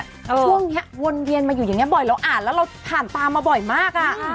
ช่วงนี้วนเวียนมาอยู่อย่างนี้บ่อยเราอ่านแล้วเราผ่านตามาบ่อยมากอ่ะ